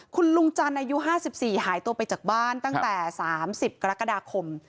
คุณลุงจันทร์อายุ๕๔หายตัวไปจากบ้านตั้งแต่๓๐กรกฎาคม